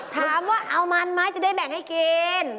ถามว่าเอามันไหมจะได้แบ่งให้กิน